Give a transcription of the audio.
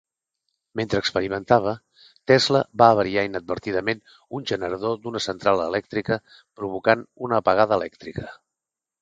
Mentre experimentava, Tesla va avariar inadvertidament un generador d'una centra elèctrica, provocant una apagada elèctrica.